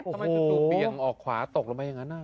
ทำไมจะดูเบี่ยงออกขวาตกลงไปอย่างนั้น